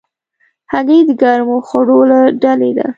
هګۍ د ګرمو خوړو له ډلې ده.